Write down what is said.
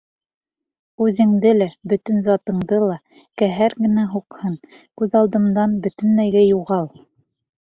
Үҙеңде лә, бөтөн затыңды ла ҡәһәр генә һуҡһын, күҙ алдымдан бөтөнләйгә юғал!